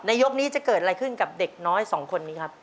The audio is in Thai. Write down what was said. ยกนี้จะเกิดอะไรขึ้นกับเด็กน้อยสองคนนี้ครับ